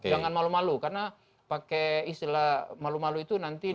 jangan malu malu karena pakai istilah malu malu itu nanti